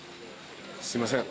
すいません。